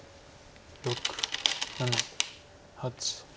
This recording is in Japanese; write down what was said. ６７８。